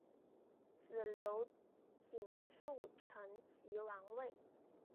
子刘景素承袭王位。